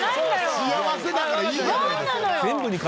幸せだからいいじゃないですか。